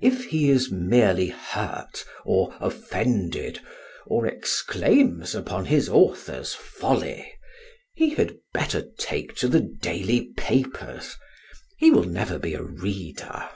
If he is merely hurt, or offended, or exclaims upon his author's folly, he had better take to the daily papers; he will never be a reader.